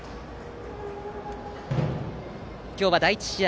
今日は第１試合